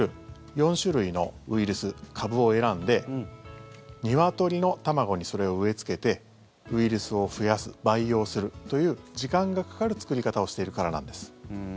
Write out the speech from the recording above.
４種類のウイルス株を選んでニワトリの卵にそれを植えつけてウイルスを増やす培養するという時間がかかる作り方をしているからなんです。